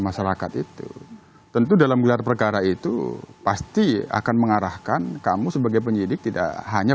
masyarakat itu tentu dalam gelar perkara itu pasti akan mengarahkan kamu sebagai penyidik tidak hanya